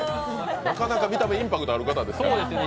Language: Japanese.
なかなか見た目、インパクトある方ですから。